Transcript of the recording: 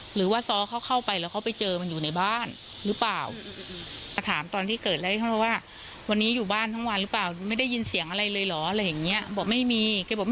หรือว่าซ้อเขาเข้าไปแล้วเขาไปเจอมันอยู่ในบ้านหรือเปล่า